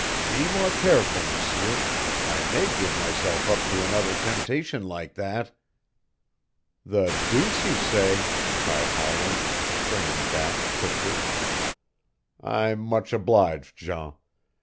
"Be more careful, M'seur. I may give myself up to another temptation like that." "The deuce you say!" cried Howland, springing back quickly. "I'm much obliged, Jean.